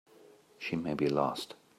She may be lost.